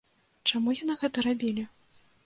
Чаму яны гэта рабілі?